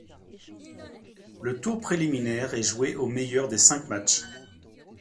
Le tour préliminaire est joué au meilleur des cinq matchs.